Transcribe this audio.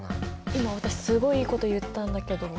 今私すごいいいこと言ったんだけど。